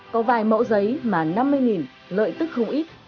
có vài mẫu giấy mà năm mươi lợi tức không ít